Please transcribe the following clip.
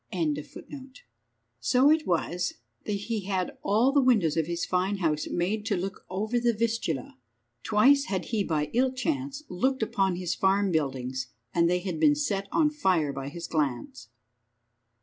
So it was that he had all the windows of his fine house made to look over the Vistula. Twice had he by ill chance looked upon his farm buildings, and they had been set on fire by his glance.